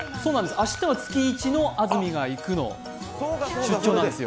明日は月１の「安住がいく」の出張なんですよ。